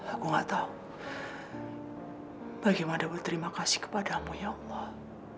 aku gak tahu bagaimana berterima kasih kepadamu ya allah